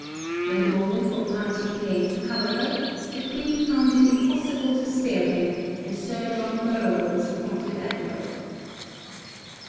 When the moment for parting came, however, the Queen found it impossible to spare him, and Sir John Burrough was appointed admiral.